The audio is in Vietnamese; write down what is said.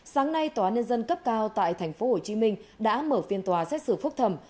sáng nay tòa án nhân dân cấp cao tại tp hcm đã mở phiên tòa xét xử phúc thầm